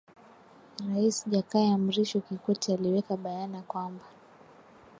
rais jakaya mrisho kikwete aliweka bayana kwamba